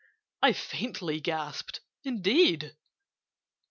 I faintly gasped "Indeed!